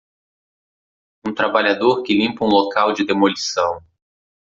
Um trabalhador que limpa um local de demolição.